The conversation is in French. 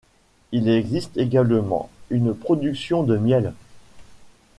Il existe également une production de miel.